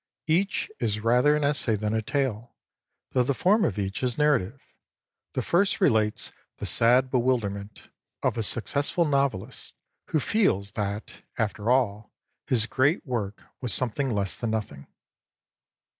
Each is rather an essay than a tale, though the form of each is narrative. The first relates the sad bewilder vil viii PREFACE ment of a successful novelist who feels that, after all, his great work was something less than nothing.